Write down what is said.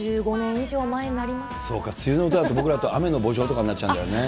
そうか、梅雨の歌だと、僕らだと雨の慕情とかになっちゃうんだよね。